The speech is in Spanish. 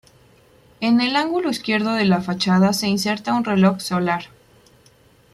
En el ángulo izquierdo de la fachada se inserta un reloj solar.